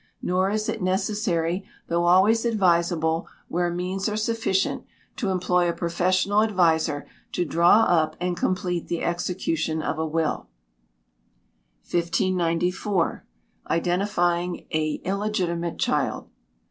Nor is it necessary, though always advisable where means are sufficient, to employ a professional adviser to draw up and complete the execution of a will. 1594. Identifying a Illegitimate Child.